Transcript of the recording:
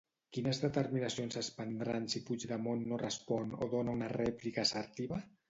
Quines determinacions es prendran si Puigdemont no respon o dona una rèplica assertiva?